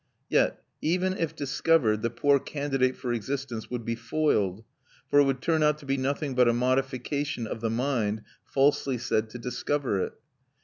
Yet even if discovered the poor candidate for existence would be foiled, for it would turn out to be nothing but a modification of the mind falsely said to discover it.